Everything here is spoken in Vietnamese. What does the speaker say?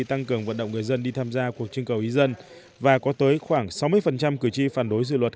tăng cường vận động người dân đi tham gia cuộc trưng cầu ý dân và có tới khoảng sáu mươi cử tri phản đối dự luật